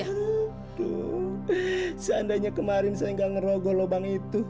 aduh seandainya kemarin saya nggak ngerogoh lubang itu